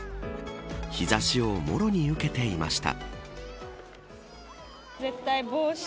日差しをもろに受けていました。